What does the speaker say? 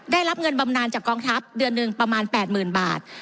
ได้รับเงินบำนานจากกองทัพเดือนหนึ่งประมาณ๘๐๐๐บาท